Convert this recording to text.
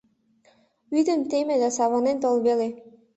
Вӱдым теме да савырнен тол веле.